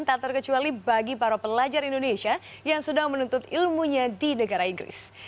tak terkecuali bagi para pelajar indonesia yang sudah menuntut ilmunya di negara inggris